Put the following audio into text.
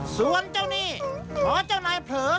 ส่วนเจ้าหนี้ขอเจ้านายเผลอ